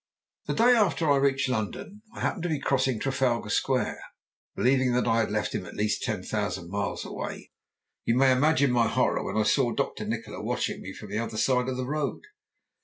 "The day after I reached London I happened to be crossing Trafalgar Square. Believing that I had left him at least ten thousand miles away, you may imagine my horror when I saw Dr. Nikola watching me from the other side of the road.